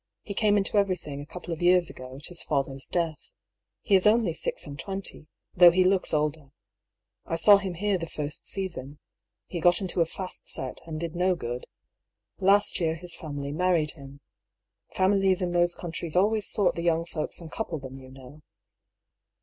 He came into everything a couple of years ago, at his father's death. He is only six and twenty, though he looks older. I saw him here the first season. He got into a fast set, and did no good. Last year his family married him. Fam ilies in those countries always sort the young folks and couple them, you know.